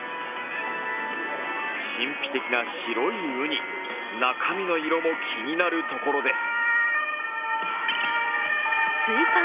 神秘的な白いうに、中身の色も気になるところです。